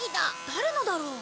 誰のだろう？